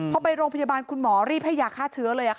พอไปโรงพยาบาลคุณหมอรีบให้ยาฆ่าเชื้อเลย